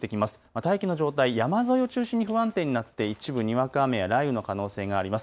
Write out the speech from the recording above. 大気の状態、山沿いを中心に不安定になって一部にわか雨や雷雨の可能性があります。